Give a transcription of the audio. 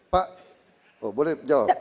pak boleh jawab